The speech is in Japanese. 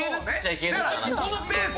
このペース